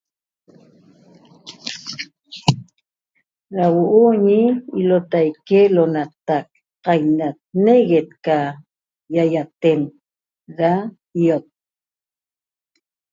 Da huo'o ñi ilotaique lo'onatac qainat negue't ca ýaýaten da i'ot